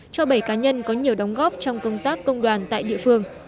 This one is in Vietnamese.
cho bảy cá nhân có nhiều đóng góp trong công tác công đoàn tại địa phương